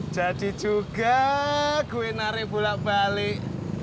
jadi juga gue narik bulat balik